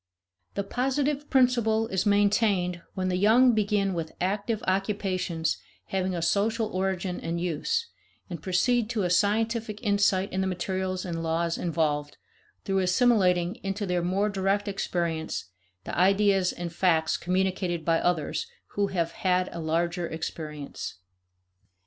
The positive principle is maintained when the young begin with active occupations having a social origin and use, and proceed to a scientific insight in the materials and laws involved, through assimilating into their more direct experience the ideas and facts communicated by others who have had a larger experience.